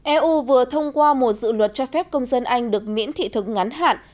eu vừa thông qua một dự luật cho phép công dân anh được miễn thị thực ngắn hạn